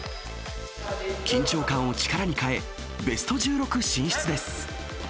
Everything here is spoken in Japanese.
緊張感を力に変え、ベスト１６進出です。